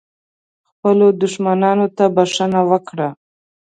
خپلو دښمنانو ته بښنه وکړه .